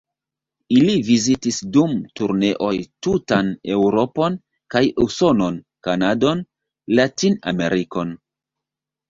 Ili vizitis dum turneoj tutan Eŭropon kaj Usonon, Kanadon, Latin-Amerikon.